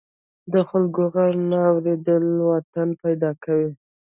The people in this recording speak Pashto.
د خلکو غږ نه اوریدل واټن پیدا کوي.